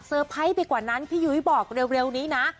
เพอร์ไพรส์ไปกว่านั้นพี่ยุ้ยบอกเร็วนี้นะ